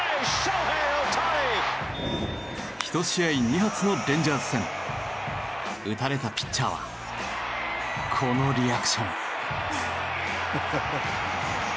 １試合２発のレンジャーズ戦打たれたピッチャーはこのリアクション。